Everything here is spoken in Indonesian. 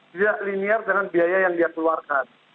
tidak linear dengan biaya yang dia keluarkan